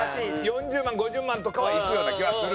４０万５０万とかはいくような気はするのよね。